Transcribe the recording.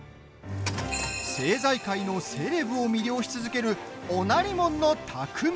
政財界のセレブを魅了し続ける御成門のたくみ。